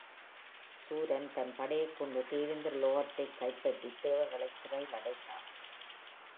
சூரன் தன் படையைக் கொண்டு தேவேந்திர லோகத்தைக் கைப்பற்றித் தேவர்களைச் சிறையில் அடைத்தான்.